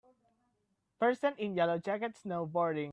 Person in yellow jacket snowboarding.